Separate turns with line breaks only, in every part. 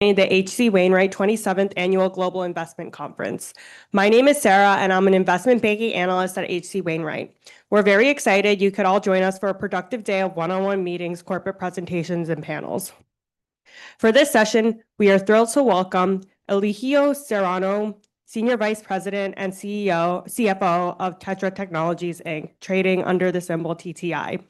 The H.C. Wainwright 27th Annual Global Investment Conference. My name is Sarah, and I'm an Investment Banking Analyst at H.C. Wainwright. We're very excited you could all join us for a productive day of one-on-one meetings, corporate presentations, and panels. For this session, we are thrilled to welcome Elijio Serrano, Senior Vice President and CFO of TETRA Technologies, Inc, trading under the symbol TTI.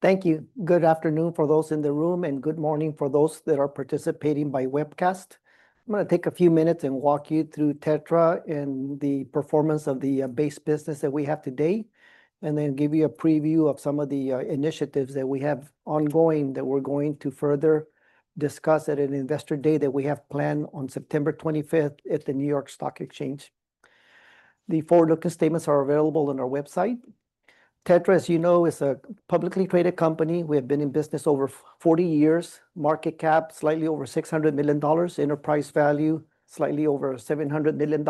Thank you. Good afternoon for those in the room, and good morning for those that are participating by webcast. I'm going to take a few minutes and walk you through TETRA and the performance of the base business that we have today, and then give you a preview of some of the initiatives that we have ongoing that we're going to further discuss at an Investor Day that we have planned on September 25th at the New York Stock Exchange. The forward-looking statements are available on our website. TETRA, as you know, is a publicly traded company. We have been in business over 40 years. Market cap slightly over $600 million. Enterprise value slightly over $700 million.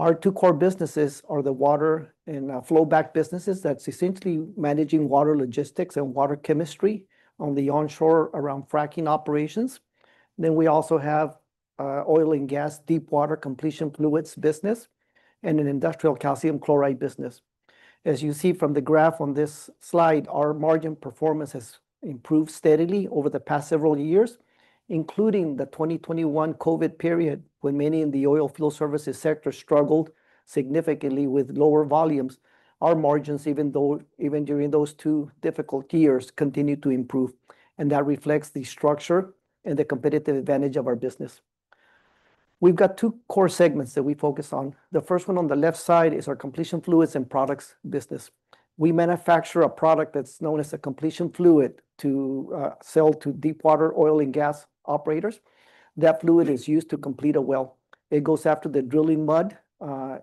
Our two core businesses are the water and flowback businesses. That's essentially managing water logistics and water chemistry on the onshore around fracking operations. Then we also have oil and gas deepwater completion fluids business, and an industrial calcium chloride business. As you see from the graph on this slide, our margin performance has improved steadily over the past several years, including the 2021 COVID period when many in the oilfield services sector struggled significantly with lower volumes. Our margins even during those two difficult years continued to improve, and that reflects the structure and the competitive advantage of our business. We've got two core segments that we focus on. The first one on the left side is our completion fluids and products business. We manufacture a product that's known as a completion fluid to sell to deepwater oil and gas operators. That fluid is used to complete a well. It goes after the drilling mud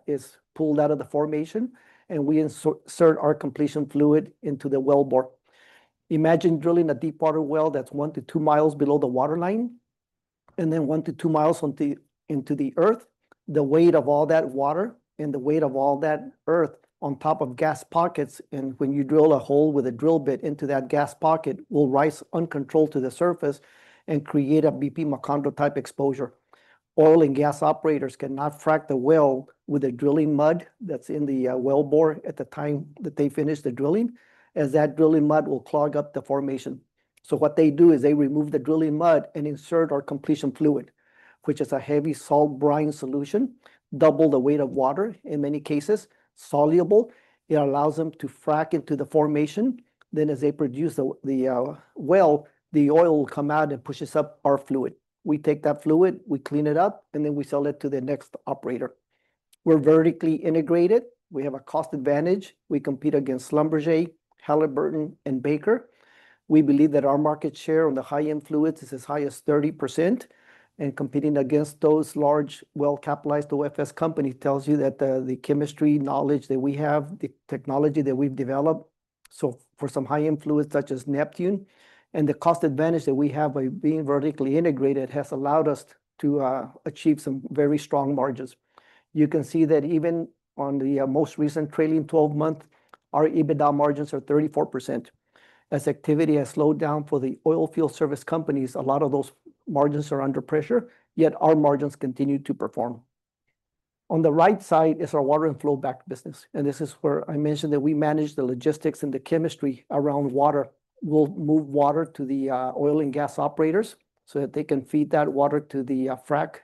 is pulled out of the formation, and we insert our completion fluid into the wellbore. Imagine drilling a deep water well that's one to two miles below the waterline, and then one to two miles into the earth. The weight of all that water and the weight of all that earth on top of gas pockets, and when you drill a hole with a drill bit into that gas pocket, will rise uncontrolled to the surface and create a BP Macondo type exposure. Oil and gas operators cannot frack the well with the drilling mud that's in the wellbore at the time that they finish the drilling, as that drilling mud will clog up the formation. So what they do is they remove the drilling mud and insert our completion fluid, which is a heavy salt brine solution, double the weight of water in many cases, soluble. It allows them to frack into the formation. Then, as they produce the well, the oil will come out and pushes up our fluid. We take that fluid, we clean it up, and then we sell it to the next operator. We're vertically integrated. We have a cost advantage. We compete against Schlumberger, Halliburton, and Baker. We believe that our market share on the high-end fluids is as high as 30%, and competing against those large well-capitalized OFS companies tells you that the chemistry knowledge that we have, the technology that we've developed, so for some high-end fluids such as Neptune, and the cost advantage that we have by being vertically integrated has allowed us to achieve some very strong margins. You can see that even on the most recent trailing 12 month, our EBITDA margins are 34%. As activity has slowed down for the oilfield service companies, a lot of those margins are under pressure, yet our margins continue to perform. On the right side is our water and flowback business, and this is where I mentioned that we manage the logistics and the chemistry around water. We'll move water to the oil and gas operators so that they can feed that water to the frack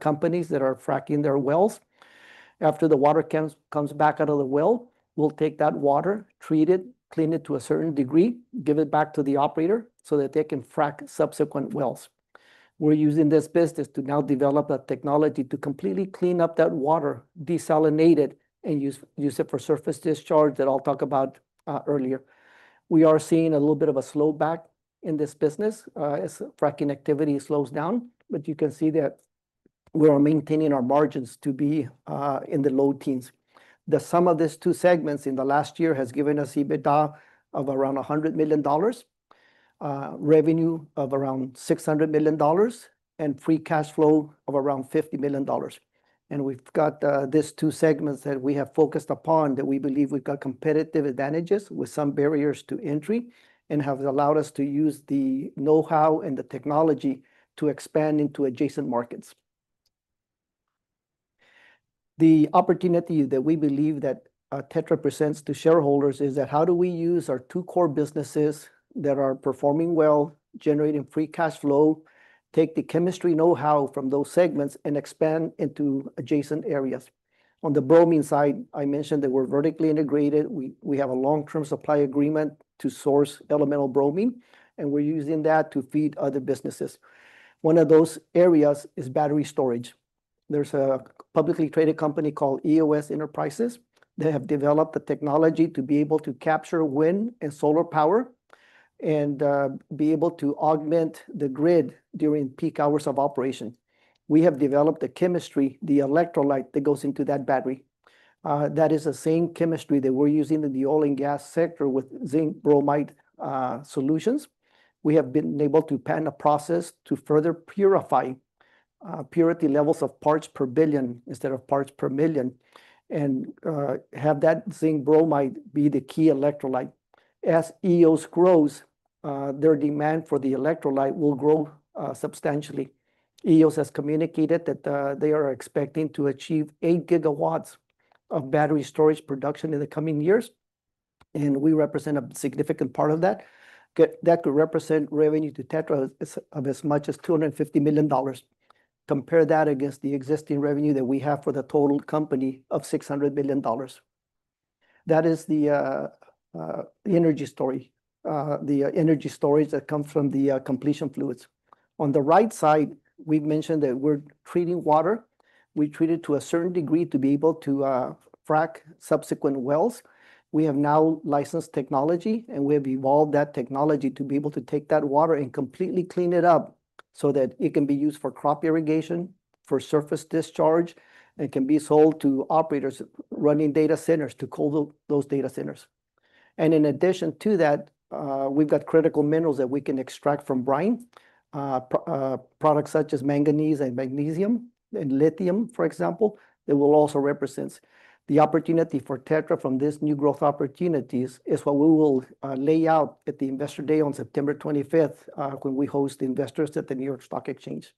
companies that are fracking their wells. After the water comes back out of the well, we'll take that water, treat it, clean it to a certain degree, give it back to the operator so that they can frack subsequent wells. We're using this business to now develop a technology to completely clean up that water, desalinate it, and use it for surface discharge that I'll talk about later. We are seeing a little bit of a slow back in this business as fracking activity slows down, but you can see that we are maintaining our margins to be in the low teens. The sum of these two segments in the last year has given us EBITDA of around $100 million, revenue of around $600 million, and free cash flow of around $50 million, and we've got these two segments that we have focused upon that we believe we've got competitive advantages with some barriers to entry and have allowed us to use the know-how and the technology to expand into adjacent markets. The opportunity that we believe that TETRA presents to shareholders is that how do we use our two core businesses that are performing well, generating free cash flow, take the chemistry know-how from those segments, and expand into adjacent areas. On the bromine side, I mentioned that we're vertically integrated. We have a long-term supply agreement to source elemental bromine, and we're using that to feed other businesses. One of those areas is battery storage. There's a publicly traded company called Eos Energy Enterprises that have developed the technology to be able to capture wind and solar power and be able to augment the grid during peak hours of operation. We have developed the chemistry, the electrolyte that goes into that battery. That is the same chemistry that we're using in the oil and gas sector with zinc bromide solutions. We have been able to plan a process to further purify purity levels of parts per billion instead of parts per million and have that zinc bromide be the key electrolyte. As Eos grows, their demand for the electrolyte will grow substantially. Eos has communicated that they are expecting to achieve 8 GW of battery storage production in the coming years, and we represent a significant part of that. That could represent revenue to TETRA of as much as $250 million. Compare that against the existing revenue that we have for the total company of $600 million. That is the energy story, the energy stories that come from the completion fluids. On the right side, we've mentioned that we're treating water. We treat it to a certain degree to be able to frack subsequent wells. We have now licensed technology, and we have evolved that technology to be able to take that water and completely clean it up so that it can be used for crop irrigation, for surface discharge, and can be sold to operators running data centers to cool those data centers, and in addition to that, we've got critical minerals that we can extract from brine, products such as manganese and magnesium and lithium, for example, that will also represent. The opportunity for TETRA from these new growth opportunities is what we will lay out at the Investor Day on September 25th when we host investors at the New York Stock Exchange.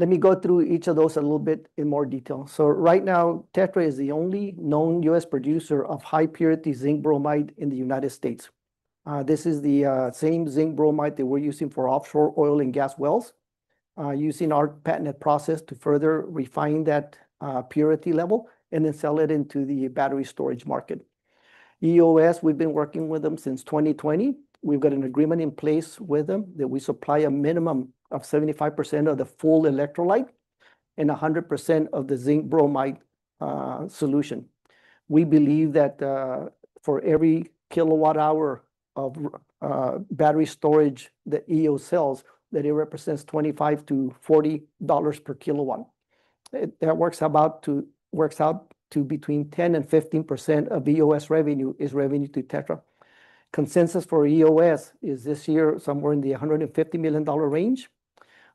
Let me go through each of those a little bit in more detail. So right now, TETRA is the only known U.S. producer of high purity zinc bromide in the United States. This is the same zinc bromide that we're using for offshore oil and gas wells, using our patented process to further refine that purity level and then sell it into the battery storage market. Eos, we've been working with them since 2020. We've got an agreement in place with them that we supply a minimum of 75% of the full electrolyte and 100% of the zinc bromide solution. We believe that for every kilowatt-hour of battery storage that Eos sells, that it represents $25-$40 per kilowatt. That works out to between 10%-15% of Eos revenue is revenue to TETRA. Consensus for Eos is this year somewhere in the $150 million range,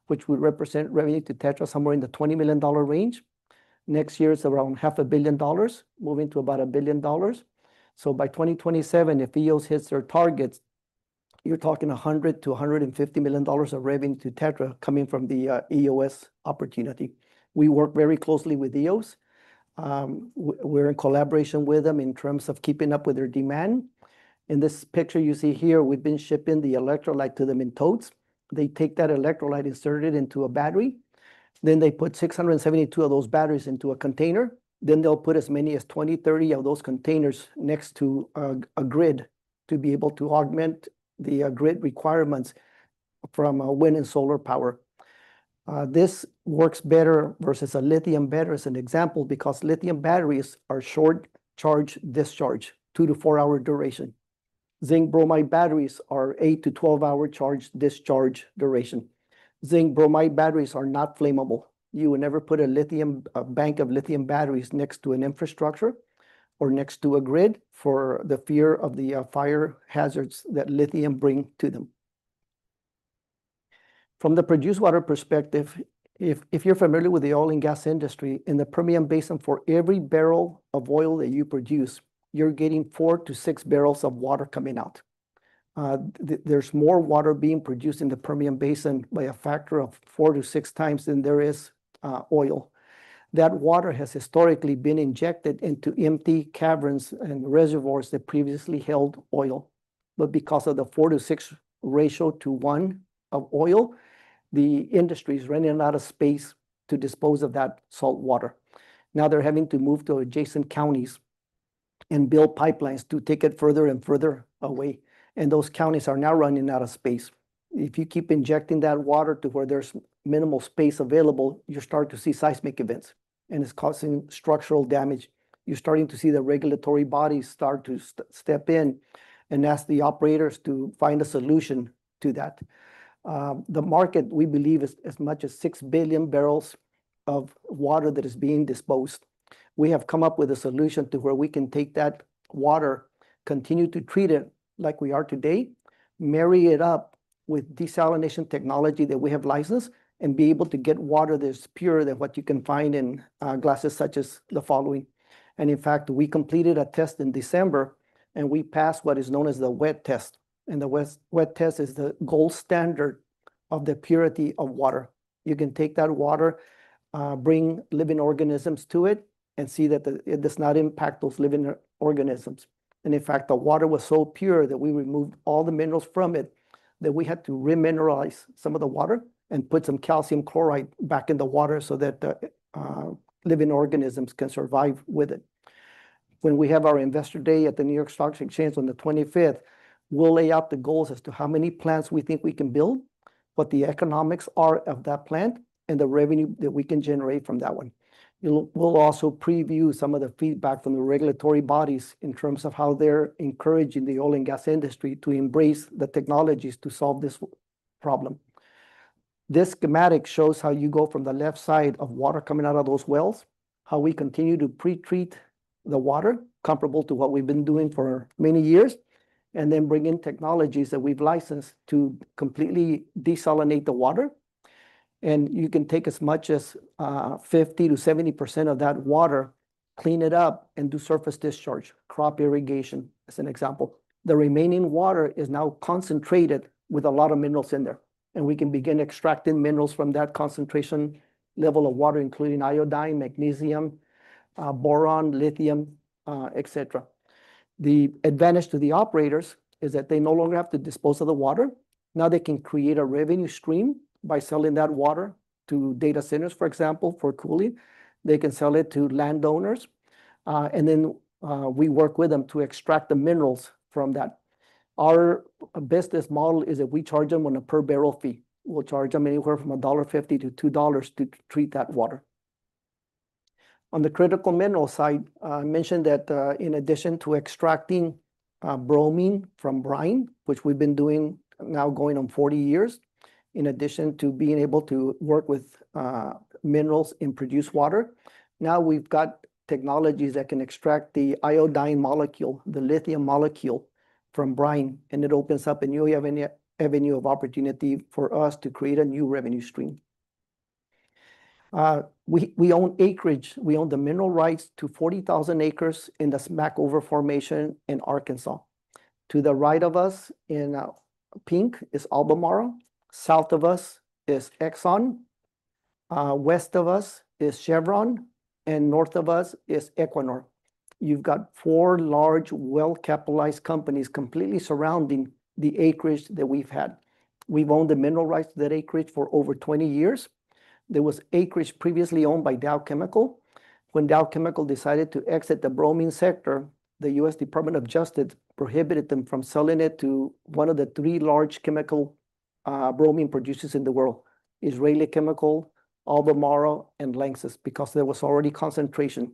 which would represent revenue to TETRA somewhere in the $20 million range. Next year is around $500 million, moving to about $1 billion. So by 2027, if Eos hits their targets, you're talking $100-$150 million of revenue to TETRA coming from the Eos opportunity. We work very closely with Eos. We're in collaboration with them in terms of keeping up with their demand. In this picture you see here, we've been shipping the electrolyte to them in totes. They take that electrolyte, insert it into a battery, then they put 672 of those batteries into a container. Then they'll put as many as 20, 30 of those containers next to a grid to be able to augment the grid requirements from wind and solar power. This works better versus a lithium battery as an example because lithium batteries are short charge discharge, two-to-four-hour duration. Zinc bromide batteries are 8 hour-12 hour charge discharge duration. Zinc bromide batteries are not flammable. You would never put a lithium bank of lithium batteries next to an infrastructure or next to a grid for the fear of the fire hazards that lithium brings to them. From the produced water perspective, if you're familiar with the oil and gas industry, in the Permian Basin, for every barrel of oil that you produce, you're getting 4 bbl-6 bbl of water coming out. There's more water being produced in the Permian Basin by a factor of 4x-6x than there is oil. That water has historically been injected into empty caverns and reservoirs that previously held oil. But because of the four to six ratio to one of oil, the industry is running out of space to dispose of that salt water. Now they're having to move to adjacent counties and build pipelines to take it further and further away. And those counties are now running out of space. If you keep injecting that water to where there's minimal space available, you start to see seismic events, and it's causing structural damage. You're starting to see the regulatory bodies start to step in and ask the operators to find a solution to that. The market, we believe, is as much as 6 billion bbl of water that is being disposed. We have come up with a solution to where we can take that water, continue to treat it like we are today, marry it up with desalination technology that we have licensed, and be able to get water that's purer than what you can find in glasses such as the following. In fact, we completed a test in December, and we passed what is known as the WET test. The WET test is the gold standard of the purity of water. You can take that water, bring living organisms to it, and see that it does not impact those living organisms. In fact, the water was so pure that we removed all the minerals from it that we had to remineralize some of the water and put some calcium chloride back in the water so that the living organisms can survive with it. When we have our Investor Day at the New York Stock Exchange on the 25th, we'll lay out the goals as to how many plants we think we can build, what the economics are of that plant, and the revenue that we can generate from that one. We'll also preview some of the feedback from the regulatory bodies in terms of how they're encouraging the oil and gas industry to embrace the technologies to solve this problem. This schematic shows how you go from the left side of water coming out of those wells, how we continue to pretreat the water comparable to what we've been doing for many years, and then bring in technologies that we've licensed to completely desalinate the water, and you can take as much as 50%-70% of that water, clean it up, and do surface discharge, crop irrigation as an example. The remaining water is now concentrated with a lot of minerals in there, and we can begin extracting minerals from that concentration level of water, including iodine, magnesium, boron, lithium, etc. The advantage to the operators is that they no longer have to dispose of the water. Now they can create a revenue stream by selling that water to data centers, for example, for cooling. They can sell it to landowners. And then we work with them to extract the minerals from that. Our business model is that we charge them on a per barrel fee. We'll charge them anywhere from $1.50-$2 to treat that water. On the critical mineral side, I mentioned that in addition to extracting bromine from brine, which we've been doing now going on 40 years, in addition to being able to work with minerals and produce water, now we've got technologies that can extract the iodine molecule, the lithium molecule from brine, and it opens up a new avenue of opportunity for us to create a new revenue stream. We own acreage. We own the mineral rights to 40,000 acres in the Smackover Formation in Arkansas. To the right of us in pink is Albemarle. South of us is Exxon. West of us is Chevron, and north of us is Equinor. You've got four large well-capitalized companies completely surrounding the acreage that we've had. We've owned the mineral rights to that acreage for over 20 years. There was acreage previously owned by Dow Chemical. When Dow Chemical decided to exit the bromine sector, the U.S. Department of Justice prohibited them from selling it to one of the three large chemical bromine producers in the world: Israel Chemical, Albemarle, and LANXESS, because there was already concentration.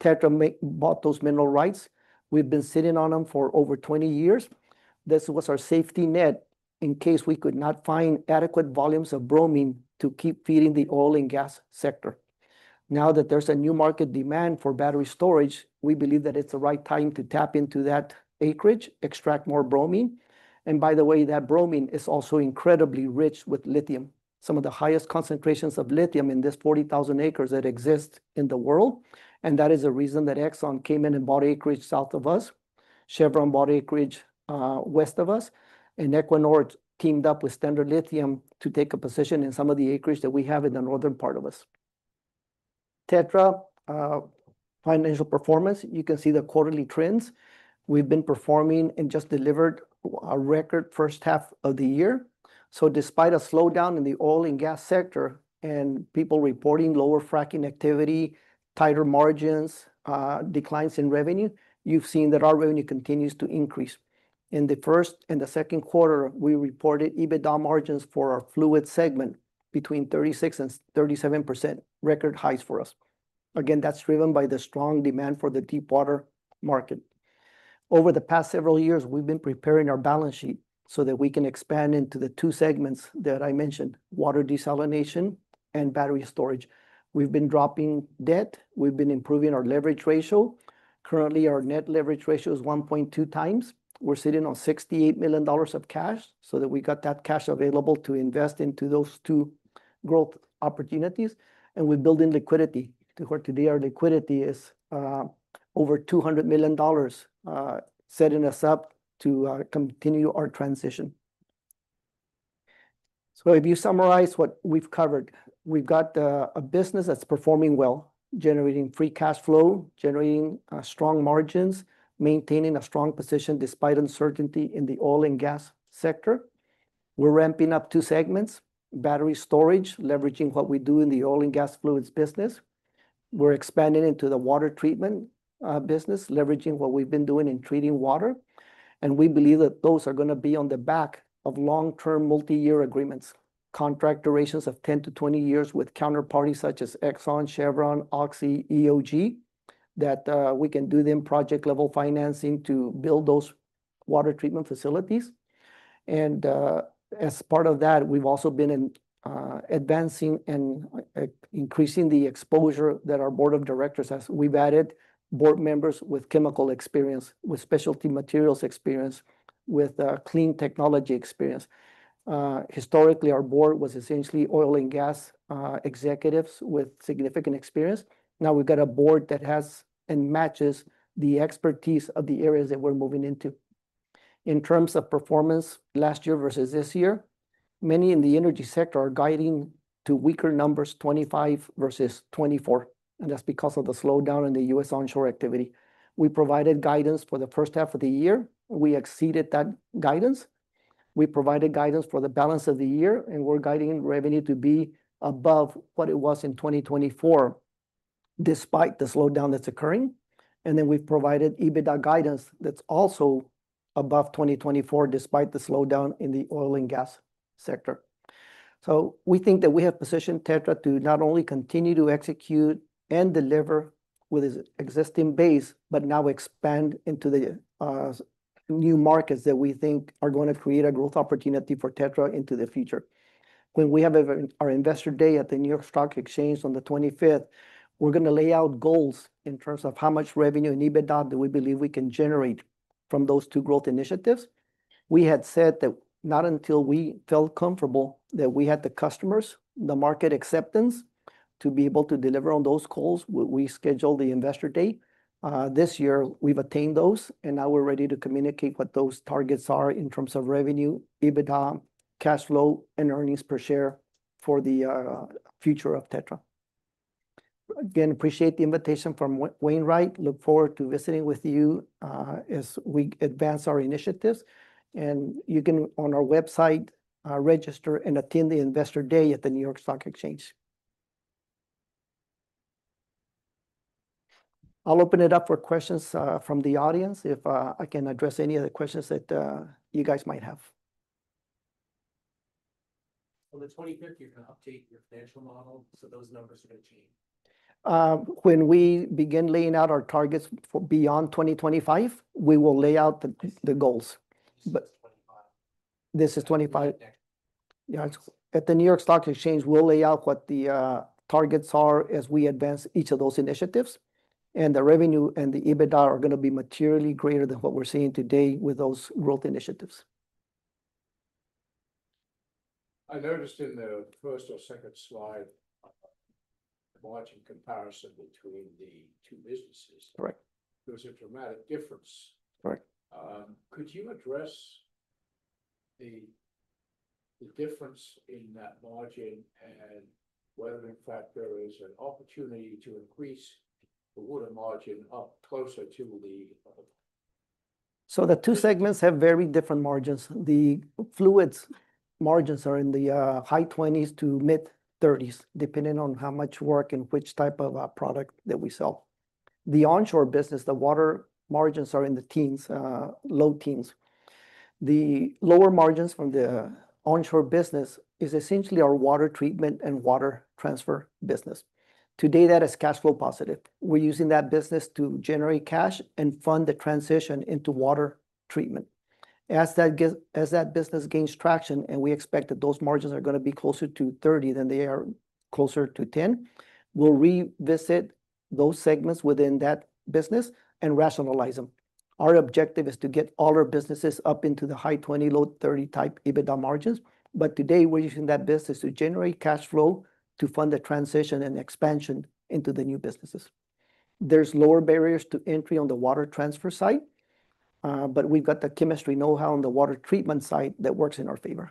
TETRA bought those mineral rights. We've been sitting on them for over 20 years. This was our safety net in case we could not find adequate volumes of bromine to keep feeding the oil and gas sector. Now that there's a new market demand for battery storage, we believe that it's the right time to tap into that acreage, extract more bromine, and by the way, that bromine is also incredibly rich with lithium, some of the highest concentrations of lithium in these 40,000 acres that exist in the world. That is a reason that Exxon came in and bought acreage south of us. Chevron bought acreage west of us, and Equinor teamed up with Standard Lithium to take a position in some of the acreage that we have in the northern part of us. TETRA financial performance, you can see the quarterly trends. We've been performing and just delivered a record first half of the year. So despite a slowdown in the oil and gas sector and people reporting lower fracking activity, tighter margins, declines in revenue, you've seen that our revenue continues to increase. In the first and the second quarter, we reported EBITDA margins for our fluid segment between 36%-37%, record highs for us. Again, that's driven by the strong demand for the deep water market. Over the past several years, we've been preparing our balance sheet so that we can expand into the two segments that I mentioned, water desalination and battery storage. We've been dropping debt. We've been improving our leverage ratio. Currently, our net leverage ratio is 1.2x. We're sitting on $68 million of cash so that we got that cash available to invest into those two growth opportunities. And we're building liquidity to where today our liquidity is over $200 million, setting us up to continue our transition. So if you summarize what we've covered, we've got a business that's performing well, generating free cash flow, generating strong margins, maintaining a strong position despite uncertainty in the oil and gas sector. We're ramping up two segments: battery storage, leveraging what we do in the oil and gas fluids business. We're expanding into the water treatment business, leveraging what we've been doing in treating water. We believe that those are going to be on the back of long-term multi-year agreements, contract durations of 10 years-20 years with counterparties such as Exxon, Chevron, Oxy, EOG, that we can do them project-level financing to build those water treatment facilities. As part of that, we've also been advancing and increasing the exposure that our board of directors has. We've added board members with chemical experience, with specialty materials experience, with clean technology experience. Historically, our board was essentially oil and gas executives with significant experience. Now we've got a board that has and matches the expertise of the areas that we're moving into. In terms of performance last year versus this year, many in the energy sector are guiding to weaker numbers, 2025 versus 2024. That's because of the slowdown in the U.S. onshore activity. We provided guidance for the first half of the year. We exceeded that guidance. We provided guidance for the balance of the year, and we're guiding revenue to be above what it was in 2024 despite the slowdown that's occurring. We've provided EBITDA guidance that's also above 2024 despite the slowdown in the oil and gas sector. We think that we have positioned TETRA to not only continue to execute and deliver with its existing base, but now expand into the new markets that we think are going to create a growth opportunity for TETRA into the future. When we have our investor day at the New York Stock Exchange on the 25th, we're going to lay out goals in terms of how much revenue and EBITDA that we believe we can generate from those two growth initiatives. We had said that not until we felt comfortable that we had the customers, the market acceptance to be able to deliver on those goals, we schedule the investor day. This year, we've attained those, and now we're ready to communicate what those targets are in terms of revenue, EBITDA, cash flow, and earnings per share for the future of TETRA. Again, appreciate the invitation from Wainwright. Look forward to visiting with you as we advance our initiatives, and you can on our website register and attend the Investor Day at the New York Stock Exchange. I'll open it up for questions from the audience if I can address any of the questions that you guys might have.
On the 25th, you're going to update your financial model, so those numbers are going to change.
When we begin laying out our targets for beyond 2025, we will lay out the goals. This is 2025. Yeah, it's at the New York Stock Exchange. We'll lay out what the targets are as we advance each of those initiatives. And the revenue and the EBITDA are going to be materially greater than what we're seeing today with those growth initiatives.
I noticed in the first or second slide a margin comparison between the two businesses.
Correct.
There was a dramatic difference.
Correct.
Could you address the difference in that margin and whether, in fact, there is an opportunity to increase the water margin up closer to the other?
So the two segments have very different margins. The fluids margins are in the high 20s to mid 30s, depending on how much work and which type of product that we sell. The onshore business, the water margins are in the teens, low teens. The lower margins from the onshore business is essentially our water treatment and water transfer business. Today, that is cash flow positive. We're using that business to generate cash and fund the transition into water treatment. As that business gains traction, and we expect that those margins are going to be closer to 30 than they are closer to 10, we'll revisit those segments within that business and rationalize them. Our objective is to get all our businesses up into the high 20%-low 30%-type EBITDA margins. But today, we're using that business to generate cash flow to fund the transition and expansion into the new businesses. There's lower barriers to entry on the water transfer side, but we've got the chemistry know-how on the water treatment side that works in our favor.